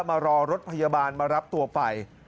มารอรถพยาบาลมารับตัวไป